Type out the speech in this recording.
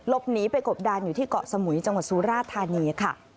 หนีไปกบดานอยู่ที่เกาะสมุยจังหวัดสุราธานีค่ะ